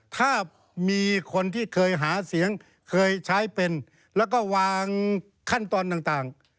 ถ้ามีคนที่เคยหาเสียงเคยใช้เป็นแล้วก็วางขั้นตอนต่าง